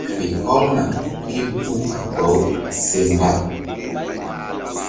Fe hɔlna képuh a baw se mba.